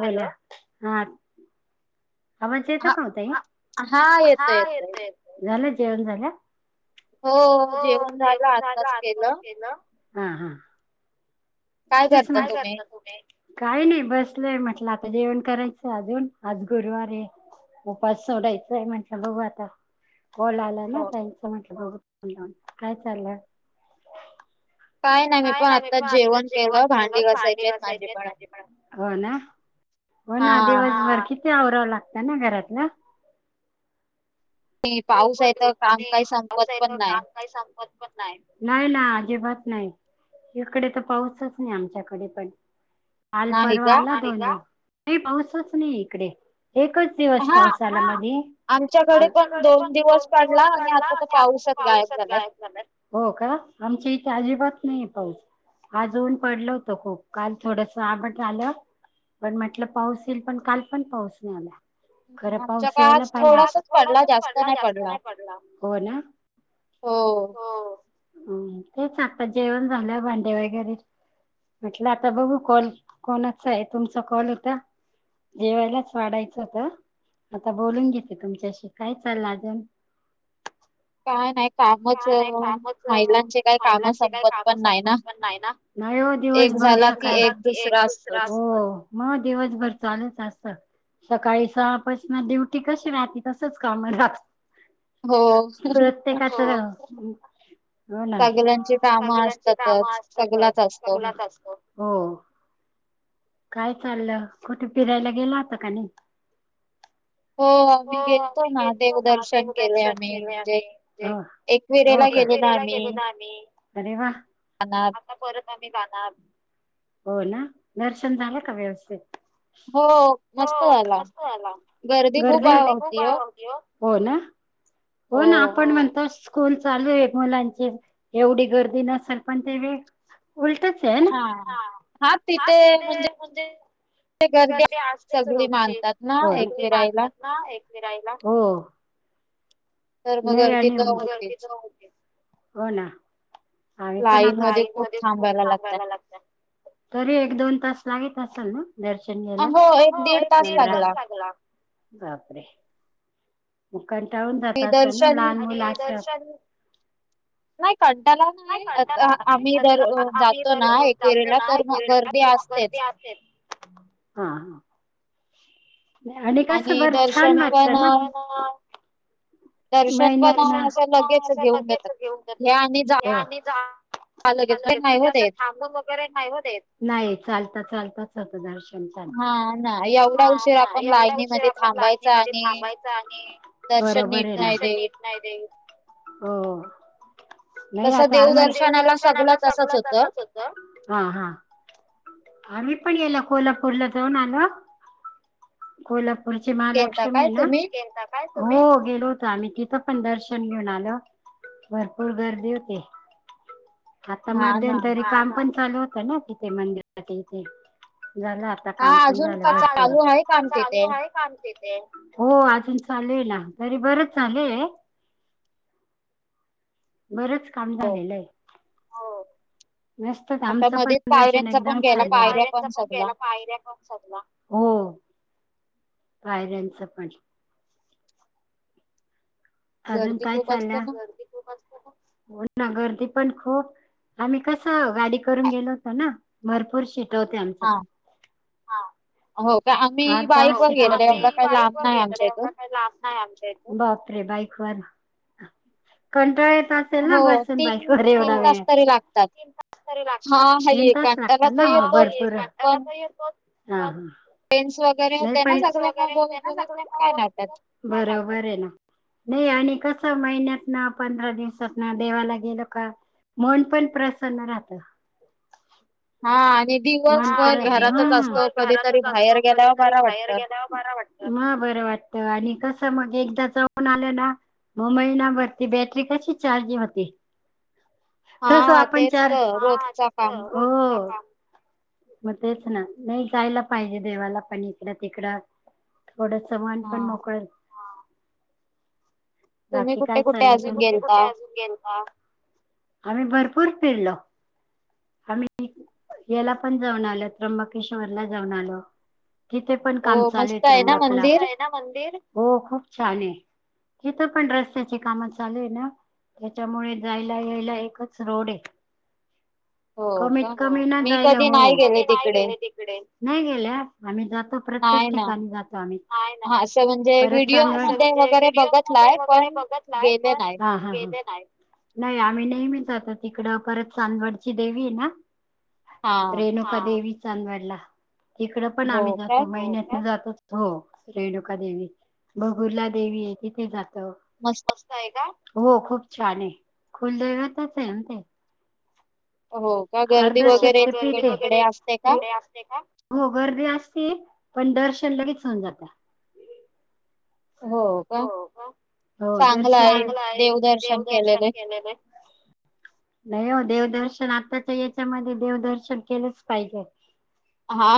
बला हा आवाच येतो हा का होत येतं हा येतंय. येत येत झालं जेवण झालं हो जेवण झालं आत्पच केलं काय तेच करता नाही तुम्ही? करत तुे काही नाही बसलंय म्हटलं आता जेवण करायचं अजून आज गुरुवार आहे उपास सोडायचय म्हणे बघू आता बला आला ना हो त्यांचं म्हटलं बघ काय चालं काय नाही मी पण आता जेवण केलं ांडी घसायची माझे पण हो ना हो ना हा दिवसभर किती आऔराव लागत ना घरातला ते त पाऊस आहे पण हो तर काम आणि काही संपत पाऊसा पण नाही. काम काही संगत पण नाही नाही ना अजिबात नाही इकडे तर पाऊसच नाही आमच्याकडे पण नाही कालपर्वा का? आला त ना पाऊसच नाही इकडे एकच दिवस हा पाऊस आला मध आमच्याकडे पण आच्याकडे ण दोन दो दिवस पडला दिवसडला आता तर आणि आ खूप पाऊसच गायब आवुषात झालाय. गाय झाल्या हो का आम अजिबात नाही पाऊस आज ऊन पडल होत खूप काल थोडस आबट आलं पण म्हटलं पाऊस येईल पण काल पण पाऊस नाही आला खरं आमच्या पाऊस यायला आज पाहिजे थोडासाच थोड पडला जास्त जास् पडला. नाही पडला हो तेच आता जेवण झालं भांडे वगैरे म्हटलं आता बघू कॉल कोणाचा आहे तुमचा कॉल होता जेवायलाच वाढायचं होत आता बोलून घेते तुमच्याशी काय चाललं अजन काय नाही कामच का नाही अं, कामच महिलांचे काही काम महिलांचे का संपत काम पण सं नाही ना. पण नाही ना दिव एक र झाला की सकाला एक दुसरा असतोच. हो मग दिवसभर चालेच असत सकाळी सहापासून ड्युटी कशी राहते तसच काम लाह हो हो ना सगळ्यांची कामं सगची काम असतातच. असत सगलाच असतो. सग असत काय चाललं कुठे फिरायला गेलं होता का नाही हो आ म्ही गेलतो आम्ही ना गेलतो ना देवदर्शन केले आम्ही केले म्हणजे आम्ही. हो एक हो वरेला का? गेले ना एकविरेला आम्ही गेलेलो अरे वा! अना आता परत हो ना दर्शन झालं का व्यवस्थित हो मस्त झाला गर्दी खूप आ गर्दीदी खूप होती आहे हो. वागली हो ना हो ना आपण म्हणतो स्कूल चालू आहे मुलांची एवढी गर्दी नसेल पण ते व उलटच आहे ना हा हा तिथ म्हणजे ते गर्दी असतेच सगळी रोजची मानतात ना तर मी एकविराईला मानतात ना एकमेराईला तर मग नाही गर्दी आणि तर होतीच. हो ना आई पण लाईन आता मध्ये आई म खूप थांबायला लागतय. ांबयला लागत तरी एक दोन तास लागेल असल ना दर्शन केला हो एक दीड तास लागला. बापरे मग कंटाळून जात मी अस ना दर्शन लहान मुला अस नाही कंटाळा नाही आता आम्ही दर कंटाला अ, आम्ही जातो जर ना जातो एकेरीला तर मग गर्दी असतेच. नाती हा हा आणि कसं बर छान दर्शन वागत पण ना अ, दर्शन नाही पण अ, नाहीान असं लगेच घेऊन जातात. लगेच घेऊन हे आणि जा लगेच अग पण नाही म्हणजे हो असं देत. थांब वगैरे नाही हो नाही चालत चालतच द हा ना एवढा हा उशीर ना आपण एवढा उशीर लाईनीमध्ये आपण थांबायचा लायनीमध्येध्ये आणि थांबायचा आणि दर्शन नीट नाही देत. नीट नाही हो नाही तसं आता सगळं देवदर्शनाला तसंच सगळ तच होतं. होत ह ह आम्ही पण याला कोल्हापूरला जाऊन आलो कोल्हापूर कोल्हापूर ची गेलता महालक्ष्मी काय तुम्ही? नाय हो गेलो मी तिथं पण दर्शन घेऊन आलो भरपूर गर्दी होती आता हा ना. मध्यंतरी काम पण चालू होतं ना तिथे मंदिरा इथे झालं आता हा काम पण अजून का झालं चालू आहे काम तिथे. चालू आहे का हो अजून चालेू ना तरी बरच झाले बरंच काम हो. झालेलं आहे हो नसत आता आमचं पण मध्येच दर्शन पायऱ्यांचा एकदम पण गेला. पायऱ्या पण सगला. गय्या पण हो [inaudible] पायऱ्यांचं पण अजून गर्दी काय खूप असते चालण्या ना. गर्दी खूप असते गर्दी पण खूप आम्ही कस गाडी करून गेलो होतो ना भरपूर शिट हो आमच्या हां. हो का? आम्ही आठ दहा बाईकवर शिटा गेलेलो एवढं काही बाईक लांब वर नाही गेलो र आमच्या एवढं इथून. काही ला नाही आमच्या बापरे बाईक वर कंटाळ येत आता असेल हो ना बसेल बाईकवर एवढा तास वेळ तरी लागतात. तीन तास तरी लागतात हां, तीन हां. तास कंटाळा लागतात तर ना येतोच. भरपूर आहे पण त्याला ह फ्रेंड्स वगैरे नाही होते प ना सगळे मग वगैरे होते ना बोलत-बोलत काय नाही वाटत. बरोबर आहे ना नाही आणि कस महिन्यात ना पंधरा दिवसात ना देवाला गेल का मन पण प्रसन्न राहत [inaudible] आणि दिवसभर घरातच दिवसभर असतो. कधीतरी घरातच बाहेर असतो गेल्यावर कधीतरी बरं बाहेर वाटतं. गेल्यावर बरा वाटत बर वाटत आणि कस मग एकदा जाऊन आलं ना मग महिनाभरती बॅटरी कशी चार्जिंग होती तस हां, आपण तेच चार तर रोजचा काम. हो मग तेच ना नाही जायला पाहिजे देवाला पण इकडं तिकडं थोडंस मन पण हां. मोकळे तुम्ही बाकी काय कुठे-कुठे चाललं तुम्ही अजून कुठे कुठे गेलता? आजुन गेलता आम्ही भरपूर फिरलो आम्ही याला पण जाऊन आलो त्र्यंबकेश्वरला जाऊन आलो तिथे पण ओ काम चालू मस्त आहे ना ञंबकला मस्त मंदिर? आहे ना मंदिर हो खूप छान आहे तिथं पण रस्त्याची काम चालूय ना त्याच्यामुळे जायला यायला एकच रोड आहे [inaudible] कमीत का? कमी ना मी जायला कधी हो मी नाही कधी गेले नाही तिकडे. गेली तिकडे नाही गेल्या आम्ही जातो प्रत्येक नाही ना. ठिकाणी जातो आम्ही नाही ना हां, असं म्हणजे परत चांगल नाही ना अस व्हिडिओमध्ये म्हणजे वगैरे व्हिडिओ मधे बघितलाय वगैरे पण गेले नाही. पण आम्ही नेहमी तिकड करत चांदवडची देवी ना हां, रेणुका देवी चांदवडला तिकडं पण आम्ही हो का? जातो महिन्यात जातो हो रेणुका देवी बगुरला देवी आहे तिथे जातो मस्त आहे का हो खूप छान आहे कुलदैवतच आहे ना ते हो का? वगैरे गर्दी तिकडे-तिकडे असते का? वगैरे असते का हो गर्दी असते पण दर्शन लगेच होऊन जात हो का हो दर्शन चांगल आहे देव दर्शन केलेले नाही हो देवदर्शन आताच्या याच्यामध्ये देवदर्शन केलंच पाहिजे हा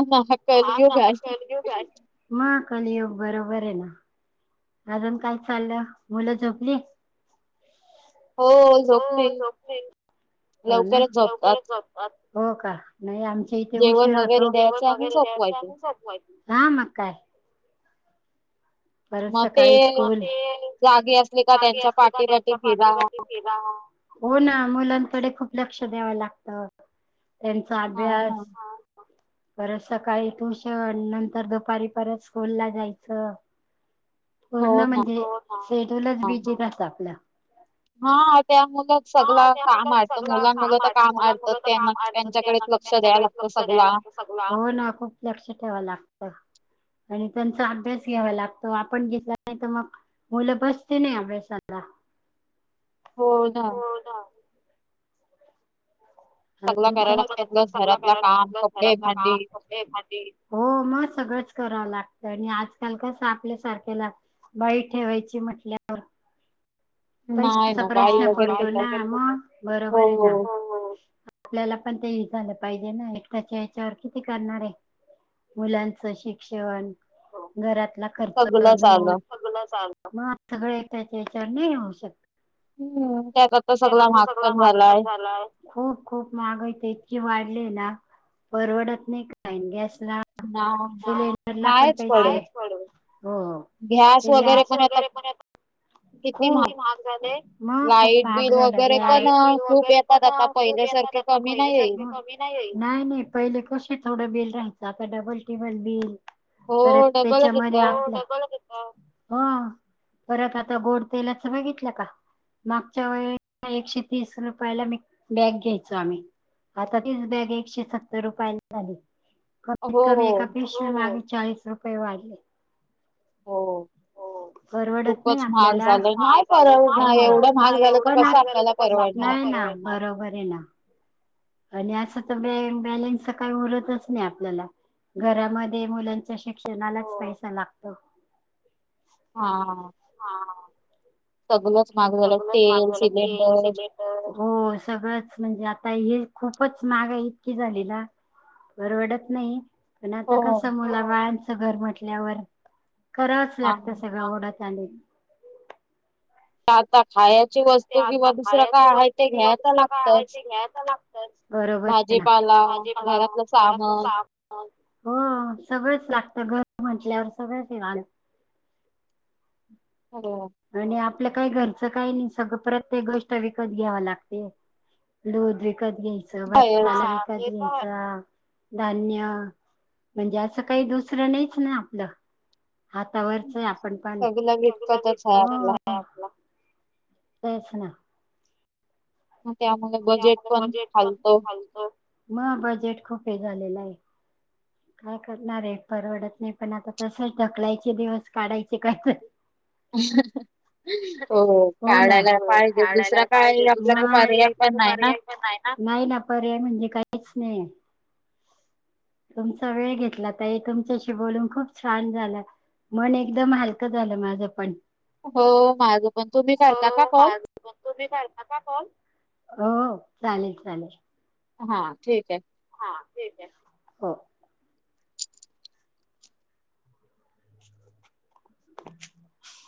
कलयुग आहे मग कलियुग बरोबर आहे ना अजून काय चाललं मुलं झोपली हो हो झोपली झोपले हो ना लवकरच झोपतात. लवकरच झोपतात हो का नाही आमच्या इथे जेवण उशीर वगैरे होतो द्यायचं जेवण आणि वगैरे द्यायचं झोपवायचे. आणि झोपायच हा मग काय परत मग सकाळी ते स्कूल जागे असले का जागी त्यांच्या असते का पाठी-पाठी त्यांच्या फिरा. पाठीवर फिरा हो ना मुलांकडे खुठल्या लक्ष द्याव लागत त्यांचा हां ना. अभ्यास परत सकाळी ट्यून नंतर दुपारी परत स्कूल ला जायचं हो पूर्ण म्हणजे हो ना शेड्युलच ना. बीजी राहत आपलं हा त्या मुलं सगळ हा त्या काम मुलात अडत सगळं मुलां मुलं तर अडतं काम मुलां आडतं त्यांना त्यांच्याकडेच लक्ष द्याय लागतं सगला सगळ हो ना खूप लक्ष ठेवाव लागतं आणि त्यांचा अभ्यास घ्यावा लागतो आपण घेतला नाही तर मग मुलं बसते नाही अभ्यासाला हो ना हो ना. सगला सगळ करायला लागतं प्लस घरातला कराला लागत काम ग कपडे घरातलं भांडी काम कपडे, भांडी हो मग सगळंच करावं लागत. आणि आजकाल कसं आपल्यासारख्याला बाई ठेवायची म्हटल्यावर. नाही पैशाचा ना बाई प्रश्न वगैरे पडतो ना घेतात मग बरोबर आहे ना हो आपल्याला पण ते झालं पाहिजे ना एकट्याच्या ह्याच्यावर किती करणार आहे. मुलांच शिक्षण घरात खर्च सगळंच आलं दूध, मग सगळच येत. मग सगळं त्याच्या एकट्याच्या ह्याच्यावर नाही होऊ शकत. हम्म त्याकरता सगला सगळा महाग पण झालाय झाला. खूप खूप महागाईच इतकी वाढली ना परवडत नाही काय गॅस ना सिलेंडरला पण नाहीच पैसे पडत हो गॅस वगैरे पण आता हो किती महाग मग खूप लाईट महाग बिल झाले आत्ता वगैरे पण लाईट अ, बिल खूप वैगरे येतात पण आता खूप येतात पहिल्यासारखे आत्ता कमी पहिले नाही येईल सारखे कमी नाही नाही नाही पहिले कसे थोडं बिल राहायचं आता डबल टिबल बिल हो डबल च येतात, परत डबलच त्याच्यामध्ये येतं ह परत आता गोड तेलाच बघितलं का मागच्या वेळे एकशे तीस रुपयाला मी बॅग घ्यायचो आम्ही आता तीच बॅग एकशे सत्तर रुपयला झाली. कमीत हो कमी एका पीशवी मागे चाळीस रुपये वाढले. हो परवडत नाही खूपच महाग आपल्याला झालं नाही खूप महाग परवडणार झाला, एवढं महाग नाही परवडणार झालं तर एवढग कसं महाग झालं आपल्याला तर परवडणार हो ना बरोबर आहे ना आणि असं तर बँक बॅलेन्स काही उरतच नाही आपल्याला घरामध्ये मुलांच्या शिक्षणालाच पैसा लागतो. हा हा सगळेच सगळंच महाग झालं तेल सिलेंडर हो सगळंच म्हणजे आता हे खूपच माहागाई इतकी झाले ना परवडत नाही पण आता कस हो. मुला बाळांचं घर म्हटल्यावर करावंच हा लागत सगळं आवडत चालेल आत्ता खायचं ते आता खायची वस्तू किंवा तर दुसरं काय आहे लागतच ते घ्यायच लागत बरोबर आहे ना भाजीपाला भाजीला, घरातलं घरातलं सामान सामान हो सगळंच लागत घर म्हटलेवरर सगळ लागत हो आपलं काही घरचं काही नाही सगळं प्रत्येक गोष्ट विकत घ्याव लागते दूध व विकत घ्यायचं आहेच भाजीपाला विकत घ्यायच, धान्य, म्हणजे असं काही दुसरं नाहीच ना आपलं हातावरच आपण पण हा विकतच आपला आहे आपलं. तेच ना मग त्यामुळे बजेट त्यामुळे पण बजेट पण हालतो. हलतं. मग बजेट खूप हे झालेलं आहे. काय करणारे परवडत नाही पण आता तसच ढकलायचे दिवस काढायचे कायतर. अ हो ना काढायला हो पाहिजे. काढायला दुसरा काय पाहिजे दुसरा आपल्याकडे मग. काही पर्याय पण आपल्याला नाही ना. पर्याय पण नाही ना नाही ना पर्याय म्हणजे काहीच नाही. तुमचा वेळ घेतला. ताई तुमच्याशी बोलून खूप छान झालं. मन एकदम हलकं झालं माझं पण हो माझ पण तुम्ही हो करता का कॉल? माझं पण तुम्ही करता का कॉल हो चालेल चालेल हा ठीक आहे हा हो [unintelligible]